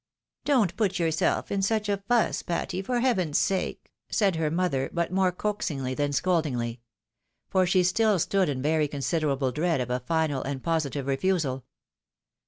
" Don't put yourself in such a fuss, Patty, for heaven's sake !" said her mother, but more coaxingly than scoldingly ; for she still stood in very considerable dread of a final and posi tive refusal.